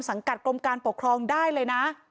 สังกัดกรมการปกครองได้เลยนะ